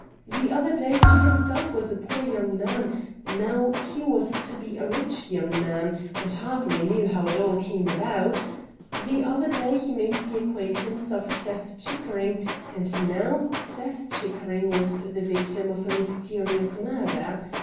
The other day he himself was a poor young man — now he was to be a rich young man, and hardly knew how it all came about. The other day he made the acquaintance of Seth Chick ering, and now Seth Chickering was the victim of a mysterious murder.